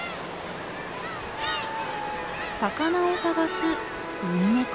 魚を探すウミネコ。